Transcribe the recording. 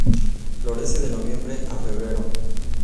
Florece de noviembre a febrero.